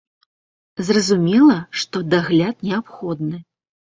Зразумела, што дагляд неабходны.